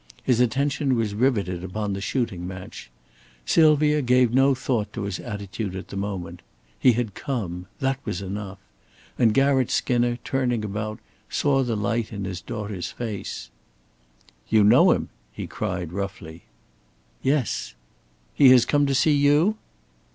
His attention was riveted upon the shooting match. Sylvia gave no thought to his attitude at the moment. He had come that was enough. And Garratt Skinner, turning about, saw the light in his daughter's face. "You know him!" he cried, roughly. "Yes." "He has come to see you?"